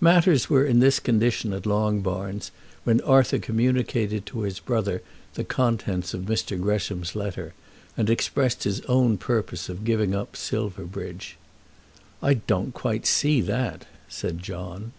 Matters were in this condition at Longbarns when Arthur communicated to his brother the contents of Mr. Gresham's letter, and expressed his own purpose of giving up Silverbridge. "I don't quite see that," said John.